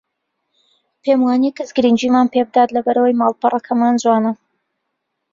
پێم وانییە کەس گرنگیمان پێ بدات لەبەر ئەوەی ماڵپەڕەکەمان جوانە